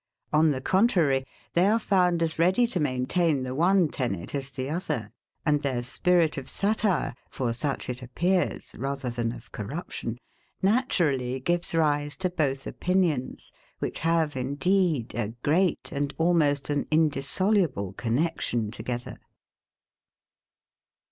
On the contrary, they are found as ready to maintain the one tenet as the other; and their spirit of satire (for such it appears, rather than of corruption) naturally gives rise to both opinions; which have, indeed, a great and almost an indissoluble connexion together.